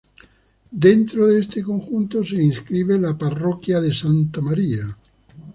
Dentro de este conjunto se inscribe la Parroquia de Santa María.